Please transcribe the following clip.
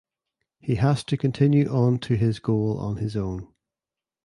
He has to continue on to his goal on his own.